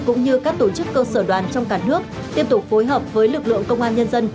cũng như các tổ chức cơ sở đoàn trong cả nước tiếp tục phối hợp với lực lượng công an nhân dân